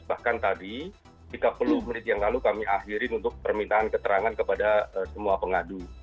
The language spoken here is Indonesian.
bahkan tadi tiga puluh menit yang lalu kami akhirin untuk permintaan keterangan kepada semua pengadu